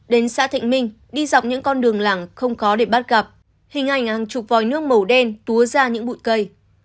đến xã thịnh minh đi dọc những con đường làng không có để bắt gặp hình ảnh hàng chục vòi nước màu đen túa ra những bụi cây